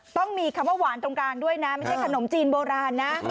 ต้องมีคำว่าหวานตรงกลางด้วยนะไม่ใช่ขนมจีนโบราณนะ